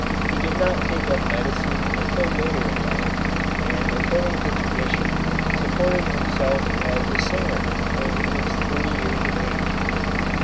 He did not take up medicine until later in life, and, according to tradition, supported himself as a singer until he was thirty years of age.